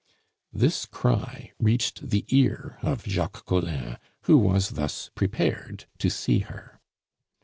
This cry reached the ear of Jacques Collin, who was thus prepared to see her.